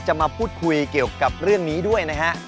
มาพูดคุยเกี่ยวกับเรื่องนี้ด้วยนะฮะ